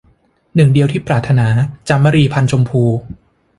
หนึ่งเดียวที่ปรารถนา - จามรี พรรณชมพู